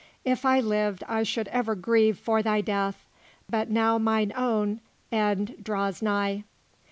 If I lived, I should ever grieve for thy death, but now mine own end draws nigh."